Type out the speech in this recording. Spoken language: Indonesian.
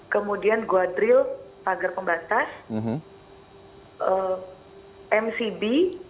kemudian guadril pagar pembatas mcb